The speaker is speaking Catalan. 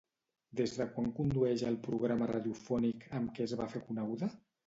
Des de quan condueix el programa radiofònic amb què es va fer coneguda?